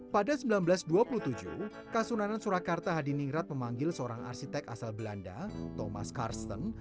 pada seribu sembilan ratus dua puluh tujuh kasunanan surakarta hadiningrat memanggil seorang arsitek asal belanda thomas karsten